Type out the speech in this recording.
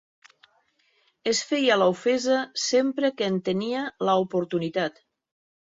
Es feia l'ofesa sempre que en tenia l'oportunitat.